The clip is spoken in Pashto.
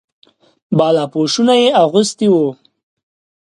بالاپوشونه یې اغوستي وو.